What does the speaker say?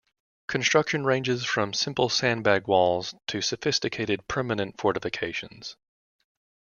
Construction ranges from simple sandbag walls to sophisticated, permanent fortifications.